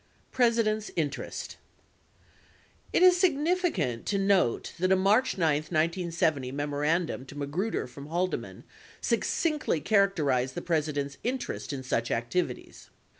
53 president's interest It is significant to note that a March 9, 1970, memorandum to Ma gruder from Haldeman succinctly characterized the President's inter est in such activities.